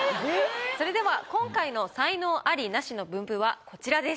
それでは今回の才能アリ・ナシの分布はこちらです。